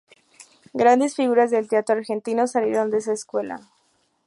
Grandes figuras del teatro Argentino salieron de esa escuela.